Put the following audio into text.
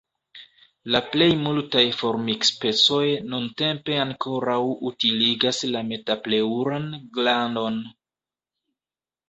La plej multaj formikspecoj nuntempe ankoraŭ utiligas la metapleŭran glandon.